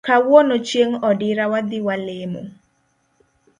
Kawuono chieng odira wadhi walemo